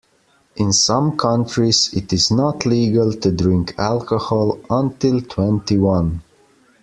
In some countries it is not legal to drink alcohol until twenty-one